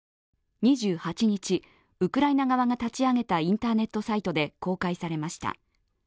２８日、ウクライナ側が立ち上げたインターネットサイトで公開されました。